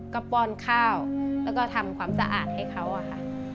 ก็ป้อนข้าวแล้วก็ทำความสะอาดให้เขาอะค่ะ